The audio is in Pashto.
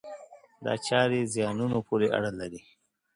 دا چارې زیانونو پورې اړه لري.